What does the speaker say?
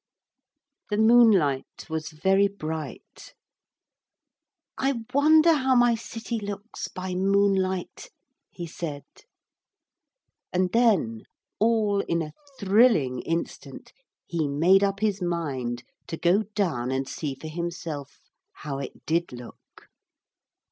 The moonlight was very bright. 'I wonder how my city looks by moonlight?' he said. And then, all in a thrilling instant, he made up his mind to go down and see for himself how it did look.